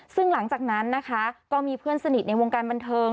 ซึ่งหลังจากนั้นนะคะก็มีเพื่อนสนิทในวงการบันเทิง